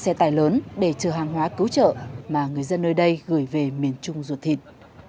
năm xe tải lớn để trừ hàng hóa cứu trợ mà người dân nơi đây gửi về miền trung rút thịt